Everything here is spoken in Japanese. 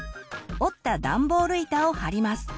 折ったダンボール板を貼ります。